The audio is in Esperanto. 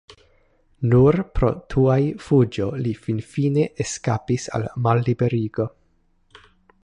Nur pro tuja fuĝo li finfine eskapis al malliberigo.